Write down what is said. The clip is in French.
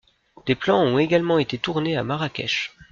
Des plans ont également été tournés à Marrakech.